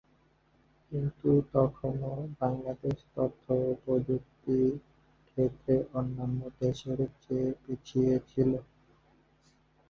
কিন্তু তখনও বাংলাদেশ তথ্য ও যোগাযোগ প্রযুক্তি ক্ষেত্রে অন্যান্য দেশের চেয়ে পিছিয়ে ছিল।